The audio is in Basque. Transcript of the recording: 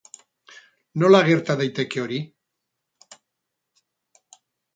Nola gerta daiteke hori?